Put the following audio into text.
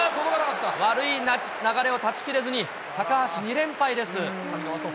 悪い流れを断ち切れずに、高橋２連敗です。